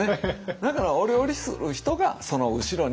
だからお料理する人がその後ろには。